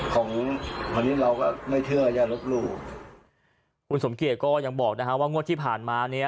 ของวันนี้เราก็ไม่เชื่ออย่าลบหลู่คุณสมเกียจก็ยังบอกนะฮะว่างวดที่ผ่านมาเนี้ย